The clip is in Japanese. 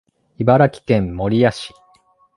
茨城県守谷市